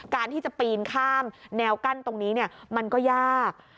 การที่จะปีนข้ามแนวกั้นตรงนี้มันก็ยาก